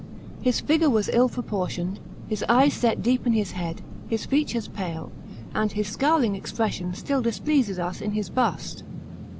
His figure was ill p oportioned, his eyes set deep in Ms head, his features pale; and his scowling expression srill displeases us in his bust.